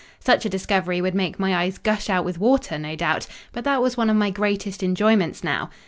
Such a discovery would make my eyes gush out with water, no doubt; but that was one of my greatest enjoyments now.